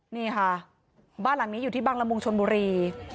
นี่ค่ะบ้านหลังนี้อยู่ที่บังละมุงชนบุรี